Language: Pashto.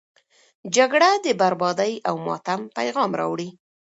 جګړه د بربادي او ماتم پیغام راوړي.